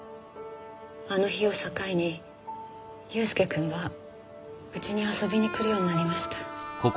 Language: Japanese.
あの日を境に祐介くんはうちに遊びに来るようになりました。